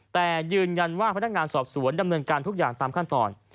แต่ยืนยันว่าพนักงานสอบสวนดำเนินการทุกอย่างตามขั้นตอน